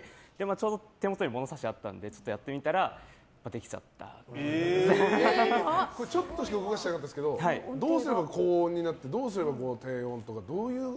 ちょうど手元に物差しがあったのでやってみたらちょっとしか動かしてなかったですけどどうすれば高音になってどうすれば低音とかどういう。